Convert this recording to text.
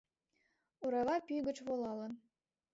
Орава пӱй гыч волалын